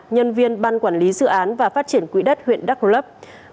nhân viên ban quản lý dự án và phát triển quỹ đất huyện đắc lấp